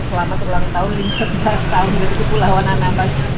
selamat ulang tahun lima belas tahun dari kepulauan anambas